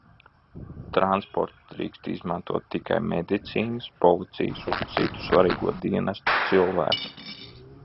Transportu drīkst izmantot tikai medicīnas, policijas un citi svarīgo dienestu cilvēki.